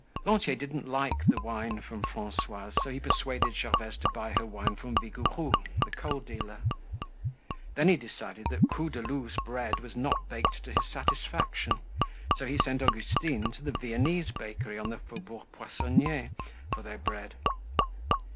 Lantier didn't like the wine from Francois's, so he persuaded Gervaise to buy her wine from Vigouroux, the coal dealer. Then he decided that Coudeloup's bread was not baked to his satisfaction, so he sent Augustine to the Viennese bakery in the Faubourg Poissonniers for their bread.